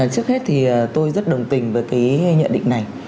trước hết thì tôi rất đồng tình với cái nhận định này